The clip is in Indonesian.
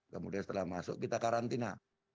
kemudian setelah masuk kita karantina